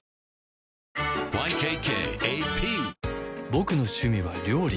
ボクの趣味は料理